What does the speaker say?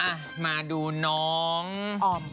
มาดูน้องออม